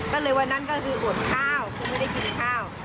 ก็เลยวันนั้นก็คืออดข้าวคือไม่ได้กินข้าว